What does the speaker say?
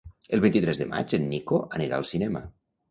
El vint-i-tres de maig en Nico anirà al cinema.